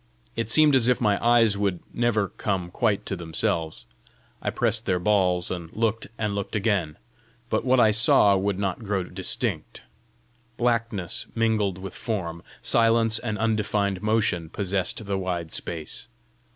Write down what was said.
It seemed as if my eyes would never come quite to themselves. I pressed their balls and looked and looked again, but what I saw would not grow distinct. Blackness mingled with form, silence and undefined motion possessed the wide space.